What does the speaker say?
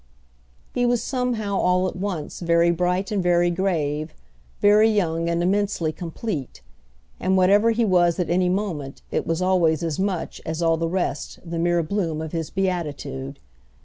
He was somehow all at once very bright and very grave, very young and immensely complete; and whatever he was at any moment it was always as much as all the rest the mere bloom of his beatitude.